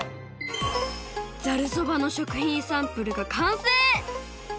ざるそばの食品サンプルがかんせい！